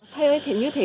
thầy ơi thế như thế